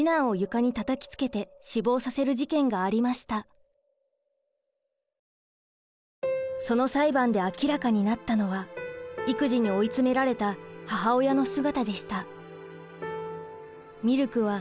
２０１８年その裁判で明らかになったのは育児に追い詰められた母親の姿でした。